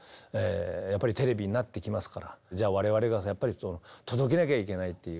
やっぱりテレビになってきますから我々が届けなきゃいけないという。